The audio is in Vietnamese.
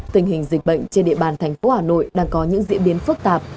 tình hình dịch bệnh trên địa bàn thành phố hà nội đang có những diễn biến phức tạp